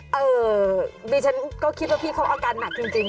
เออดิฉันก็คิดว่าพี่เขาอาการหนักจริง